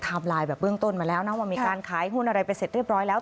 ไลน์แบบเบื้องต้นมาแล้วนะว่ามีการขายหุ้นอะไรไปเสร็จเรียบร้อยแล้ว